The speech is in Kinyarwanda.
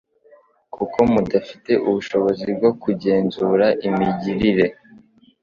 Kuko mudafite ubushobozi bwo kugenzura imigirire,